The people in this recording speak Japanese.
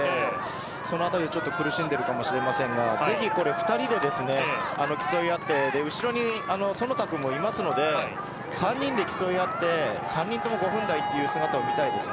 そのあたり苦しんでいるかもしれませんがぜひ２人で競い合って後ろに其田君もいますので３人で競い合って３人とも５分台という姿を見たいです。